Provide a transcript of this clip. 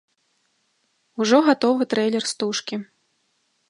Ужо гатовы трэйлер стужкі.